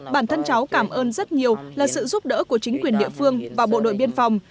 bản thân cháu cảm ơn rất nhiều là sự giúp đỡ của chính quyền địa phương và bộ đội biên phòng